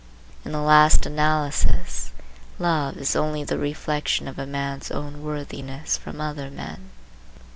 In the last analysis, love is only the reflection of a man's own worthiness from other men.